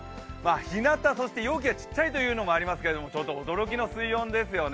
ひなた、そして容器がちっちゃいということもあるんですがちょっと驚きの水温ですよね。